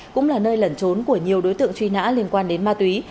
cũng là nơi lẩn trốn của nhiều đối tượng truy nã liên quan đến ma túy